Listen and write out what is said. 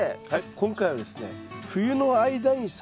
今回はですね